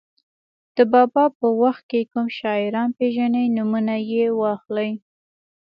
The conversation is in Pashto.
د بابا په وخت کې کوم شاعران پېژنئ نومونه یې واخلئ.